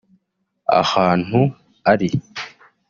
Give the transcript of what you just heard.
Ahantu ari